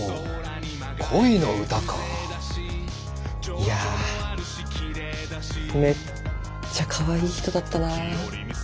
いやめっちゃかわいい人だったな。